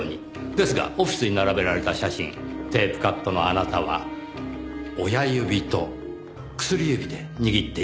ですがオフィスに並べられた写真テープカットのあなたは親指と薬指で握っていました。